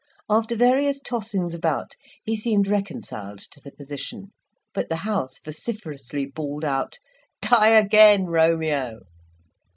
After various tossings about he seemed reconciled to the position; but the house vociferously bawled out, "Die again, Romeo!"